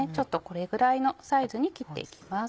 これぐらいのサイズに切って行きます。